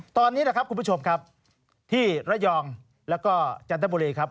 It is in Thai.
ตอนนี้นะครับคุณผู้ชมครับที่ระยองแล้วก็จันทบุรีครับ